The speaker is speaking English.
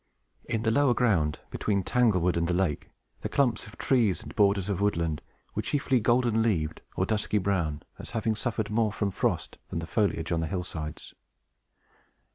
In the lower ground, between Tanglewood and the lake, the clumps of trees and borders of woodland were chiefly golden leaved or dusky brown, as having suffered more from frost than the foliage on the hill sides.